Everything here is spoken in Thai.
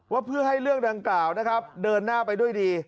ว่าเพื่อให้เรื่องดังกล่าวนะครับเดินหน้าไปด้วยดี